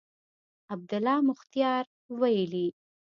عبدالله مختیار ویلي